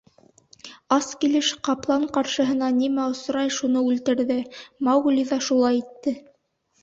Ас килеш ҡаплан ҡаршыһына нимә осрай, шуны үлтерҙе, Маугли ҙа шулай итте...